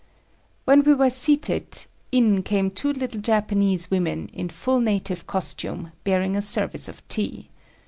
When we were seated in came two little Japanese women, in full native costume, bearing a service of tea.